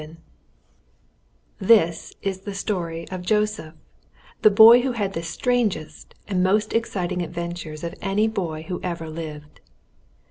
] This is the story of Joseph, the boy who had the strangest and most exciting adventures of any boy who ever lived.